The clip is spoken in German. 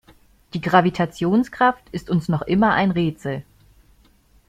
Die Gravitationskraft ist uns noch immer ein Rätsel.